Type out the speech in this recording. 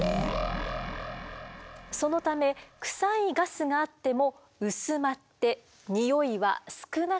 そのためクサいガスがあっても薄まってにおいは少なくなります。